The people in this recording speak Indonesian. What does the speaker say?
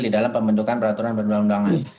di dalam pembentukan peraturan perundang undangan